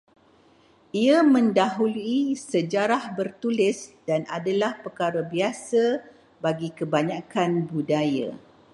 Ia mendahului sejarah bertulis dan adalah perkara biasa bagi kebanyakan budaya